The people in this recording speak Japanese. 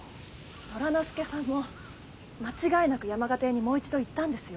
虎之介さんも間違いなく山賀邸にもう一度行ったんですよ。